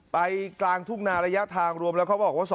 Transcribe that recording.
กลางทุ่งนาระยะทางรวมแล้วเขาบอกว่า